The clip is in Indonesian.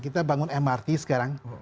kita bangun mrt sekarang